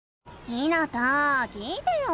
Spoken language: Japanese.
ひなた聞いてよ。